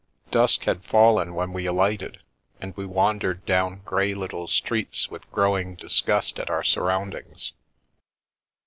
Dusk had fallen when we alighted, and we wandered down grey little streets with growing disgust at our surroundings.